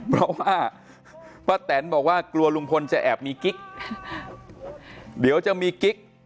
เพราะว่าป้าแตนบอกว่ากลัวลุงพลจะแอบมีกิ๊กเดี๋ยวจะมีกิ๊ก